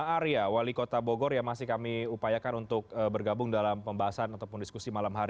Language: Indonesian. arya wali kota bogor yang masih kami upayakan untuk bergabung dalam pembahasan ataupun diskusi malam hari